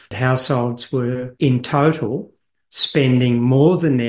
rasio tabungan rata rata itu mengerikan totalnya